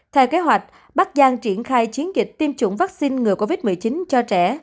theo kế hoạch bắc giang triển khai chiến dịch tiêm chủng vaccine ngừa covid một mươi chín cho trẻ